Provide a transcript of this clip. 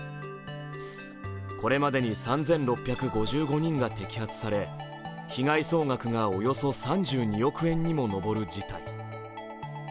これまでに３６５５人が摘発され被害総額がおよそ３２億円にものぼる事態。